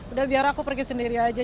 udah biar aku pergi sendiri aja